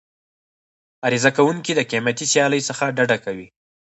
عرضه کوونکي د قیمتي سیالۍ څخه ډډه کوي.